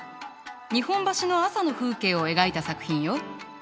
日本橋の朝の風景を描いた作品よ。